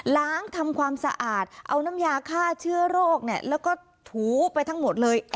ล้างทำความสะอาดเอาน้ำยาฆ่าเชื้อโรคแล้วก็ถูไปทั้งหมดเลย